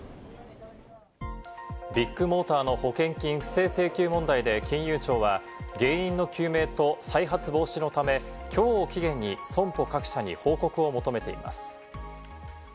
ビッグモーターの保険金不正請求問題で金融庁は原因の究明と再発防止のため、きょうを期限に、損保各社に報告を求めています。